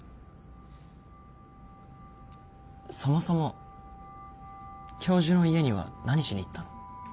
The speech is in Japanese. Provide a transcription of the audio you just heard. そもそも教授の家には何しに行ったの？